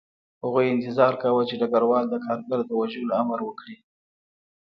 هغوی انتظار کاوه چې ډګروال د کارګر د وژلو امر وکړي